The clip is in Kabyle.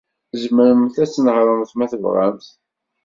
Tzemremt ad tnehṛemt ma tebɣamt.